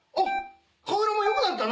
顔色も良くなったな」